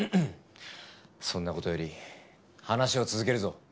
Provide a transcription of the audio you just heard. そんな事より話を続けるぞ。